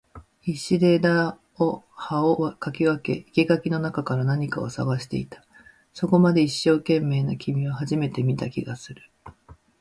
必死で枝を葉を掻き分け、生垣の中から何かを探していた。そこまで一生懸命な君は初めて見た気がする。